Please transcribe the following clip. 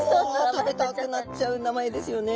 食べたくなっちゃう名前ですよね。